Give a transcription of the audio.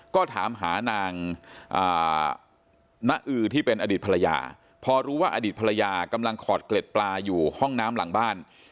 ก็ถามหานางนอือที่เป็นอดีตภรรยาพอรู้ว่าอดีตภรรยากำลังขอดเกล็ดปลาอยู่ห้องน้ำหลังบ้าน